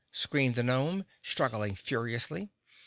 screamed the gnome, struggling furiously.